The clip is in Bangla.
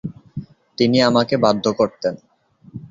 তিনি আমাকে বাধ্য করতেন।